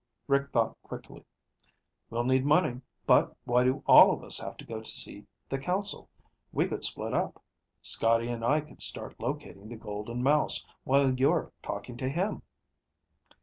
Rick thought quickly. "We'll need money, but why do all of us have to go see the consul? We could split up. Scotty and I could start locating the Golden Mouse while you're talking to him."